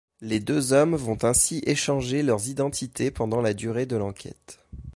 Les deux hommes vont ainsi échanger leurs identités pendant la durée de l'enquête.